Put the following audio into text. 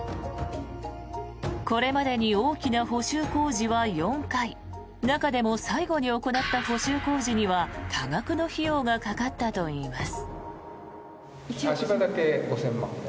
これまでに大きな補修工事は４回中でも最後に行った補修工事には多額の費用がかかったといいます。